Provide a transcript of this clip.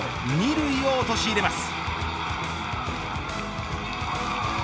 ２塁を陥れます。